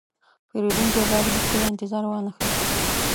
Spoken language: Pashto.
پیرودونکی باید هیڅکله انتظار وانهخلي.